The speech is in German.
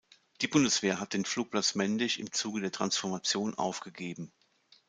Die Bundeswehr hat den Flugplatz Mendig im Zuge der Transformation aufgegeben.